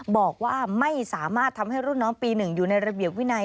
บอกว่าไม่สามารถทำให้รุ่นน้องปี๑อยู่ในระเบียบวินัย